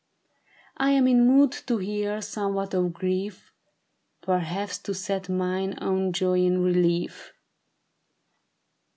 I am in mood to hear somewhat of grief. Perhaps to set mine own joy in relief."